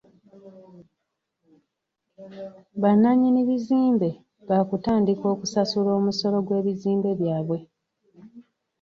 Bannannyini bizimbe baakutandika okusasula omusolo gw'ebizimbe byabwe.